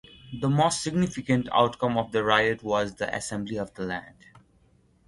The most significant outcome of the riot was the Assembly of the Land.